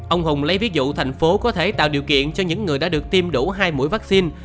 ông hùng lấy ví dụ thành phố có thể tạo điều kiện cho những người đã được tiêm đủ hai mũi vaccine